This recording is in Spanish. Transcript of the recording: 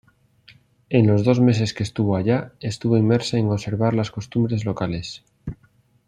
En los dos meses que estuvo allá, estuvo inmersa en observar las costumbres locales.